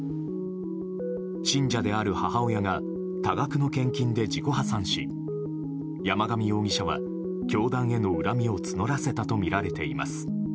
信者である母親が多額の献金で自己破産し山上容疑者は教団への恨みを募らせたとみられています。